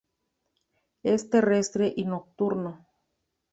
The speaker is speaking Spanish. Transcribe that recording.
Es terrestre y nocturno.